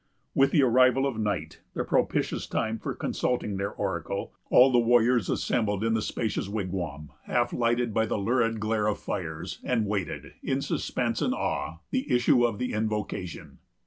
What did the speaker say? With the arrival of night, the propitious time for consulting their oracle, all the warriors assembled in the spacious wigwam, half lighted by the lurid glare of fires, and waited, in suspense and awe, the issue of the invocation.